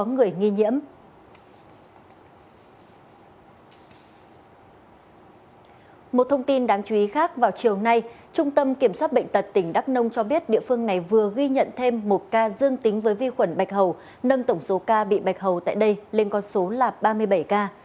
một thông tin đáng chú ý khác vào chiều nay trung tâm kiểm soát bệnh tật tỉnh đắk nông cho biết địa phương này vừa ghi nhận thêm một ca dương tính với vi khuẩn bạch hầu nâng tổng số ca bị bạch hầu tại đây lên con số là ba mươi bảy ca